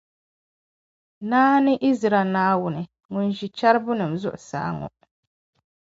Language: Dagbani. Naa ni Izraɛl Naawuni, ŋun ʒi Chɛrubinima zuɣusaa ŋɔ.